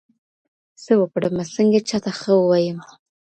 څه وکړمه څنگه چاته ښه ووايم~